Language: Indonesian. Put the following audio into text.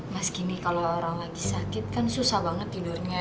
mas gini kalau orang lagi sakit kan susah banget tidurnya